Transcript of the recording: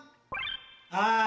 はい。